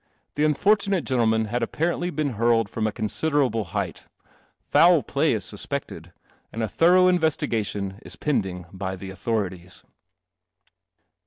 I he un fortunate gentleman had apparently been hurled no a considerable height. Foul play is sus fced, and a thorough investigation is pending by the auth ritii .